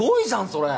それ。